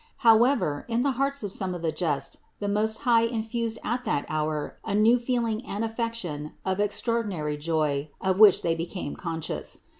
However, in the hearts of some of the just the Most High infused at that hour a new feeling and affection of extraordinary joy of which they became conscious.